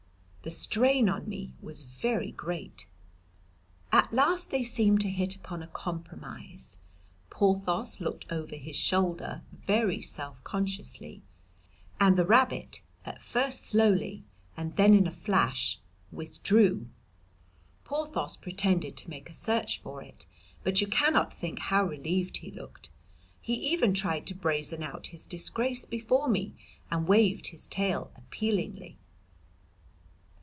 The strain on me was very great. "At last they seemed to hit upon a compromise. Porthos looked over his shoulder very self consciously, and the rabbit at first slowly and then in a flash withdrew. Porthos pretended to make a search for it, but you cannot think how relieved he looked. He even tried to brazen out his disgrace before me and waved his tail appealingly.